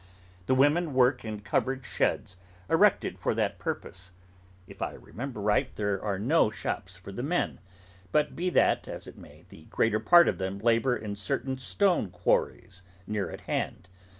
The women work in covered sheds, erected for that purpose. If I remember right, there are no shops for the men, but be that as it may, the greater part of them labour in certain stone quarries near at hand.